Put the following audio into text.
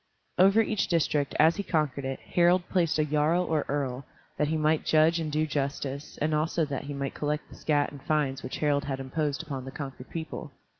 Over each district, as he conquered it, Harald placed a jarl or earl, that he might judge and do justice, and also that he might collect the scat and fines which Harald had imposed upon the conquered people.